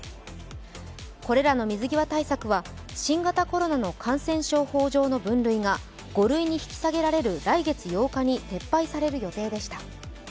これらの水際対策は新型コロナの感染症法上の分類が５類に引き下げられる来月８日に、撤廃される予定でした。